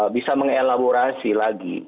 bisa mengelaborasi lagi